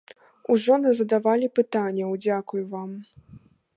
Ужо назадавалі пытанняў, дзякуй вам.